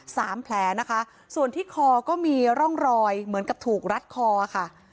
สามแผลนะคะส่วนที่คอก็มีร่องรอยเหมือนกับถูกรัดคอค่ะ